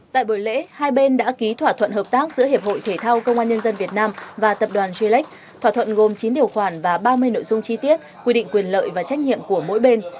tại buổi lễ hai bên đã ký thỏa thuận hợp tác giữa hiệp hội thể thao công an nhân dân việt nam và tập đoàn g lex thỏa thuận gồm chín điều khoản và ba mươi nội dung chi tiết quy định quyền lợi và trách nhiệm của mỗi bên